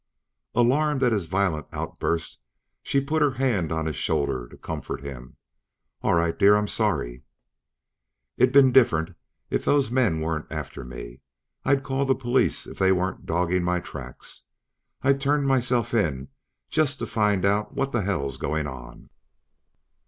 Alarmed at his violent outburst, she put her hand on his shoulder to comfort him. "All right dear. I'm sorry." "It'd been different, if those men weren't after me. I'd call the police if they weren't dogging my tracks. I'd turn myself in just to find out what the hell's going on."